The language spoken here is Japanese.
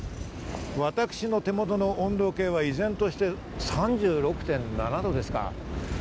私の手元の温度計は依然として３６．７度ですか。